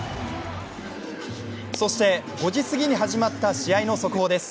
そして５時すぎに始まった試合の速報です。